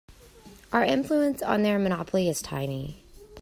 Our influence on their monopoly is tiny.